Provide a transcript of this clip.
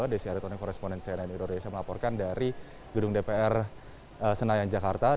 desi aritoni koresponen cnn indonesia melaporkan dari gedung dpr senayan jakarta